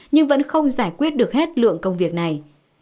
nhưng vẫn không giải quyết được hết lượng công việc này